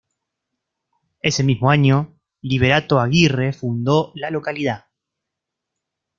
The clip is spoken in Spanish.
Ese mismo año, Liberato Aguirre fundó la localidad.